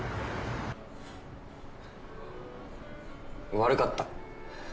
悪かった。